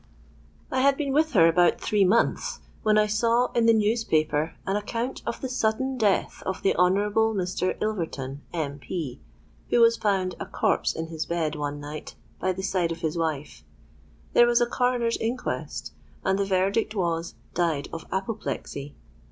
"I had been with her about three months, when I saw in the newspaper an account of the sudden death of the Honourable Mr. Ilverton, M.P., who was found a corpse in his bed one night by the side of his wife. There was a Coroner's Inquest; and the verdict was 'Died of apoplexy.'